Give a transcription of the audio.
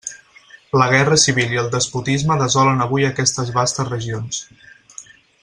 La guerra civil i el despotisme desolen avui aquestes vastes regions.